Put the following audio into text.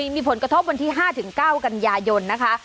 มีผลกระทบวันที่๕๙กันยายนนะคะ